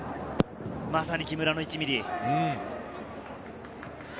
まさに、木村の１ミリ。